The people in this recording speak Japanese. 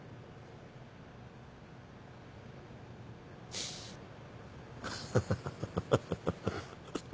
フフッハハハ。